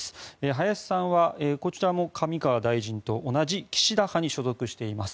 林さんはこちらも上川大臣と同じ岸田派に所属しています。